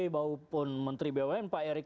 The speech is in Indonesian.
maupun menteri bumn pak erick